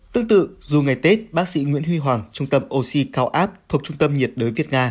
tương tự dù ngày tết bác sĩ nguyễn huy hoàng trung tâm oxy cao áp thuộc trung tâm nhiệt đới việt nga